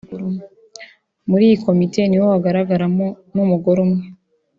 muri iyi komite niho hagaragaramo n’umugore umwe